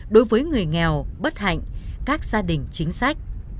đối với người nghèo bất hạnh các gia đình chính sách